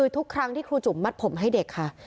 ทุกครั้งที่ครูจุ๋มมัดผมให้เด็กค่ะ